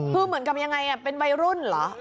เพราะเหมือนกับเป็นวัยรุ่นนไหม